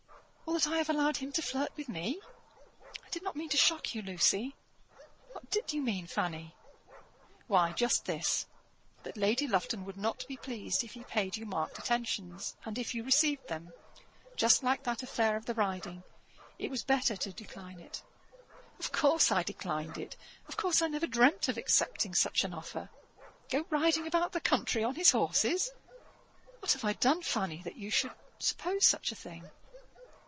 "Or that I have allowed him to flirt with me?" "I did not mean to shock you, Lucy." "What did you mean, Fanny?" "Why, just this: that Lady Lufton would not be pleased if he paid you marked attentions, and if you received them; just like that affair of the riding; it was better to decline it." "Of course I declined it; of course I never dreamt of accepting such an offer. Go riding about the country on his horses! What have I done, Fanny, that you should suppose such a thing?"